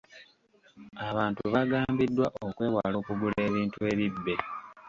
Abantu baagambiddwa okwewala okugula ebintu ebibbe.